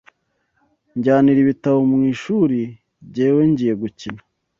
Njyanira ibitabo mu ishuri gewe ngiye gukina